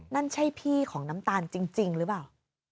นั่นใช่พี่ของน้ำตาลจริงหรือเปล่า